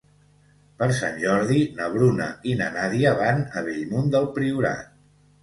Per Sant Jordi na Bruna i na Nàdia van a Bellmunt del Priorat.